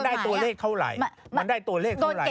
ได้ตัวเลขเท่าไหร่มันได้ตัวเลขเท่าไหร